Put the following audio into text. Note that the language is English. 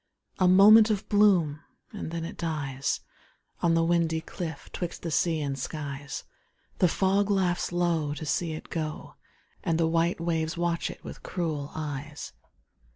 A moment of bloom, and then it dies On the windy cliff 'twixt the sea and skies. The fog laughs low to see it go, And the white waves watch it with cruel eyes.